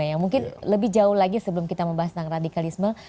yang mungkin lebih jauh lagi sebelum kita membahas tentang radikalisme